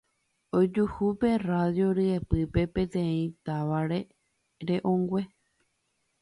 Ojuhu pe radio ryepýpe peteĩ tarave re'õngue.